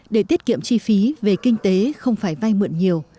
để tiết kiệm chi phí về kinh tế không phải vay mượn nhiều